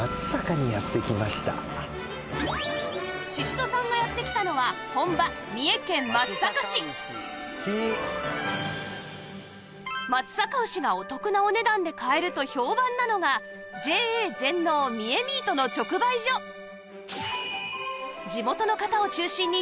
宍戸さんがやって来たのは本場三重県松阪市松阪牛がお得なお値段で買えると評判なのが ＪＡ 全農みえミートの直売所ああ！